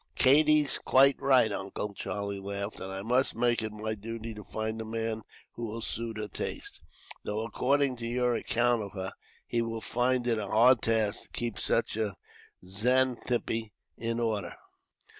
"Katie's quite right, Uncle," Charlie laughed. "And I must make it my duty to find a man who will suit her taste; though, according to your account of her, he will find it a hard task to keep such a Xanthippe in order."